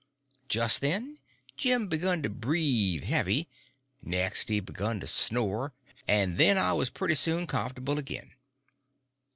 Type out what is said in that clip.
Just then Jim begun to breathe heavy; next he begun to snore—and then I was pretty soon comfortable again.